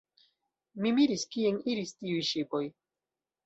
Mi miris kien iris tiuj ŝipoj.